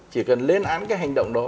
chỉ cần lên án cái hành động đó